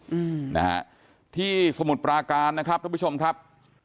อืมนะฮะที่สมุทรปราการนะครับทุกผู้ชมครับ